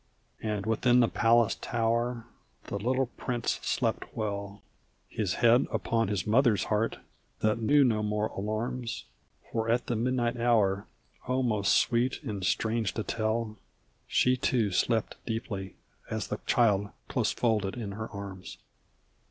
And within the palace tower the little prince slept well, His head upon his mother's heart, that knew no more alarms; For at the midnight hour 0 most sweet and strange to tell She too slept deeply as the child close folded in her arms.